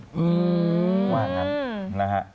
หรือว่างั้นนะฮะ